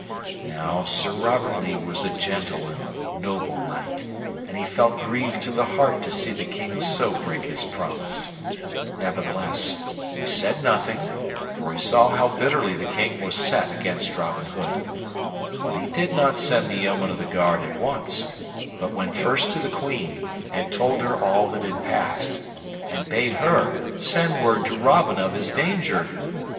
Now Sir Robert Lee was a gentle and noble knight, and he felt grieved to the heart to see the King so break his promise; nevertheless, he said nothing, for he saw how bitterly the King was set against Robin Hood; but he did not send the yeomen of the guard at once, but went first to the Queen, and told her all that had passed, and bade her send word to Robin of his danger.